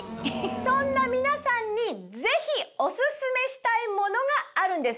そんな皆さんにぜひオススメしたいものがあるんです。